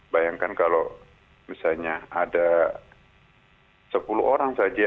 bayangkan kalau misalnya ada sepuluh orang saja